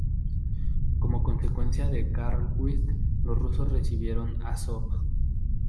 Como consecuencia de Karlowitz los rusos recibieron Azov.